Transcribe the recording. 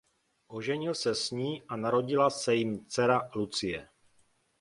Oženil se s ní a narodila se jim dcera Lucie.